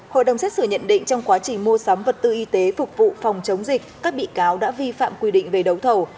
hội đồng xét xử nhận định trong quá trình mua sắm vật tư y tế phục vụ phòng chống dịch các bị cáo đã vi phạm quy định về đấu thầu